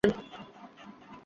তিনি এতে খুশী হয়েছিলেন।